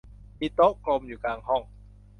มีโต๊ะกลมอยู่กลางห้อง